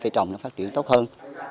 cây trồng nó phát triển tốt hơn